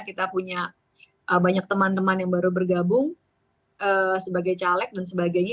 kita punya banyak teman teman yang baru bergabung sebagai caleg dan sebagainya